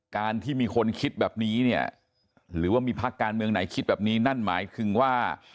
การที่มีคนคิดแบบนี้เนี่ยหรือว่ามีพักการเมืองไหนคิดแบบนี้นั่นหมายถึงว่า